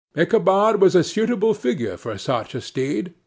Ichabod was a suitable figure for such a steed.